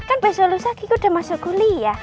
kan besok lusa kiku udah masuk guli ya